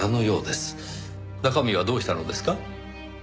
中身はどうしたのですか？